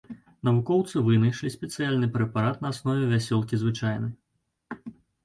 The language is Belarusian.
Навукоўцы вынайшлі спецыяльны прэпарат на аснове вясёлкі звычайнай.